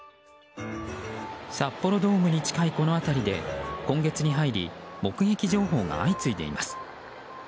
札幌ドームに近いこの辺りで今月に入り目撃情報が相次いでいます。